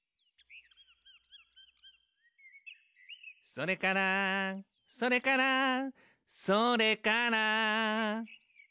「それからそれからそれから」